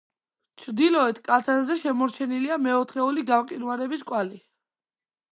ჩრდილოეთ კალთაზე შემორჩენილია მეოთხეული გამყინვარების კვალი.